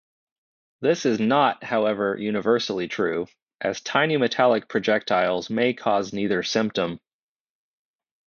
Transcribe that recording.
This is not, however, universally true, as tiny metallic projectiles may cause neither symptom.